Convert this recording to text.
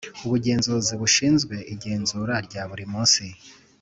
Ubugenzuzi bushinzwe igenzura rya buri munsi